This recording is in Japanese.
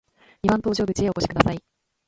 二番搭乗口へお越しください。